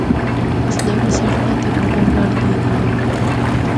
اس نوّی سڑکا تے ہوٹل بنڑ گئے دے ہن۔